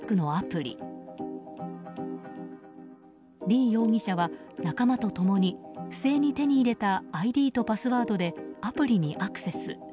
リ容疑者は仲間と共に不正に手に入れたＩＤとパスワードでアプリにアクセス。